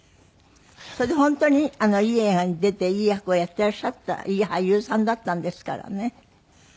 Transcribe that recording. それで本当にいい映画に出ていい役をやっていらっしゃったいい俳優さんだったんですからね。